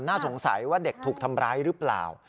น่าสงสัยว่าเด็กถูกทำร้ายหรือเปล่า